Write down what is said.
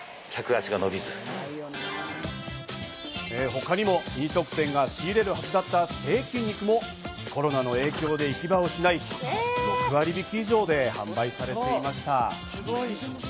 他にも飲食店が仕入れるはずだったステーキ肉もコロナの影響で行き場を失い、６割引き以上で販売されていました。